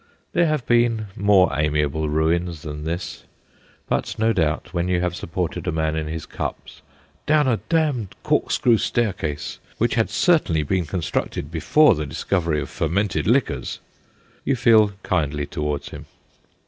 There have been more amiable ruins than this; but, no doubt, when you have supported a man in his cups ' down a damned corkscrew staircase, which had cer tainly been constructed before the discovery of fermented liquors/ you feel kindly towards him.